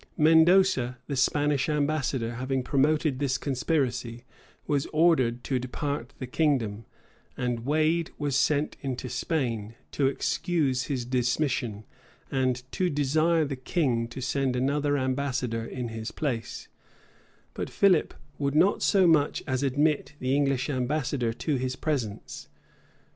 Mendoza, the Spanish ambassador, having promoted this conspiracy, was ordered to depart the kingdom; and Wade was sent into Spain, to excuse his dismission, and to desire the king to send another ambassador in his place; but Philip would not so much as admit the English ambassador to his presence.